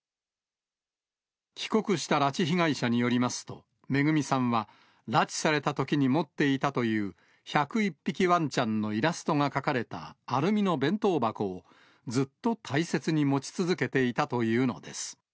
帰国した拉致被害者によりますと、めぐみさんは、拉致されたときに持っていたという、１０１匹わんちゃんのイラストが描かれたアルミの弁当箱を、ずっと大切に持ち続けていたというのです。